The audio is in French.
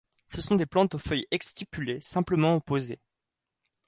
Ce sont des plantes aux feuilles exstipulées, simplement opposées.